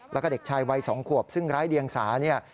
แล้วก็เด็กชายวัย๒ขวบซึ่งร้ายเดียงสาเนี่ย